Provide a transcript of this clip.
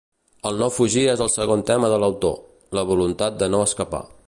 El no fugir és el segon tema de l'autor: la voluntat de no escapar.